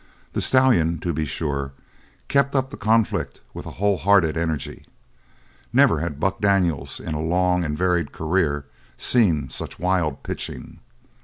The stallion, to be sure, kept up the conflict with a whole hearted energy. Never had Buck Daniels in a long and varied career seen such wild pitching.